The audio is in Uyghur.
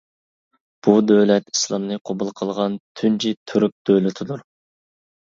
بۇ دۆلەت ئىسلامنى قوبۇل قىلغان تۇنجى تۈرك دۆلىتىدۇر.